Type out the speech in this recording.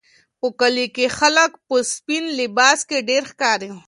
په کلي کې خلک په سپین لباس کې ډېر ښکاري.